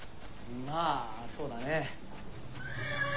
まあそうだね。